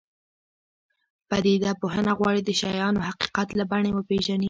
پدیده پوهنه غواړي د شیانو حقیقت له بڼې وپېژني.